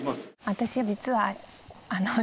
私実は。